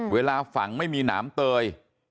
เวลาฝังไม่มีหนามเตย